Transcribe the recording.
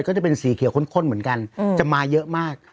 ก็จะเป็นสีเขียวข้นเหมือนกันจะมาเยอะมาก